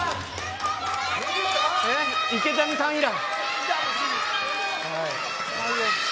池谷さん以来。